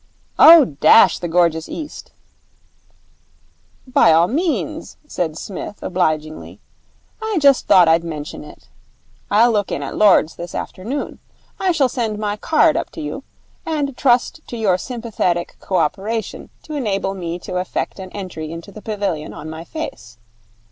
'Oh, dash the gorgeous East.' 'By all means,' said Psmith obligingly. 'I just thought I'd mention it. I'll look in at Lord's this afternoon. I shall send my card up to you, and trust to your sympathetic cooperation to enable me to effect an entry into the pavilion on my face.